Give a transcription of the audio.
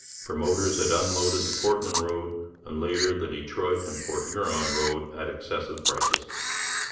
Promoters had unloaded the Portland road and later the Detroit and Port Huron road at excessive prices.